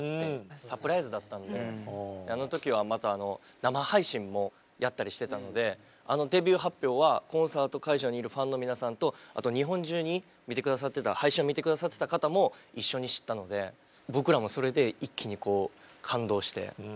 サプライズだったのであの時はまたあの生配信もやったりしてたのであのデビュー発表はコンサート会場にいるファンの皆さんとあと日本中に配信を見て下さってた方も一緒に知ったので僕らもそれで一気にこう感動して。